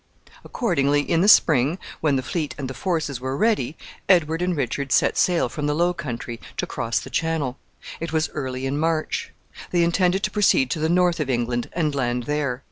Accordingly, in the spring, when the fleet and the forces were ready, Edward and Richard set sail from the Low Country to cross the Channel. It was early in March. They intended to proceed to the north of England and land there.